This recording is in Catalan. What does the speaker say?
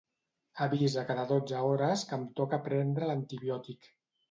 Avisa cada dotze hores que em toca prendre l'antibiòtic.